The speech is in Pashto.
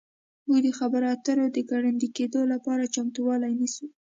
موږ د خبرو اترو د ګړندي کیدو لپاره چمتووالی نیسو